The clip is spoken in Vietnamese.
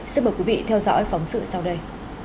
xin mời quý vị theo dõi phóng sự sau đây